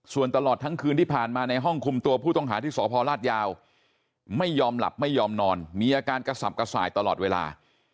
ส่วนตลอดทั้งคืนที่ผ่านมาในห้องคุมตัวผู้ต้องหาที่สพลาดยาวไม่ยอมหลับไม่ยอมนอนมีอาการกระสับกระส่ายตลอดเวลา